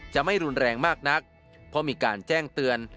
จะไม่รุนแรงมากนักเพราะมีการแจ้งเตือน